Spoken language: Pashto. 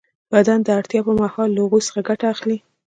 بدن د اړتیا پر مهال له هغوی څخه ګټه اخلي.